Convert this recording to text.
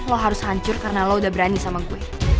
lo harus hancur karena lo udah berani sama gue